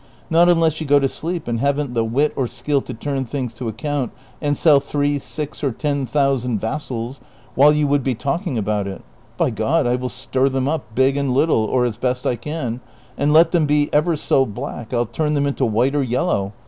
Not unless you go to sleep and have n't the wit or skill to turn things to account and sell three, six, or ten thousand vassals while you would l^e talking about it ! By God I will stir them up, big and little, or as best I can, and let them be ever so black I '11 turn them into white or yellow.